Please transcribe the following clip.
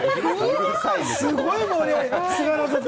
すごい盛り上がり。